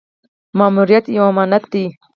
ماموریت یو امانت دی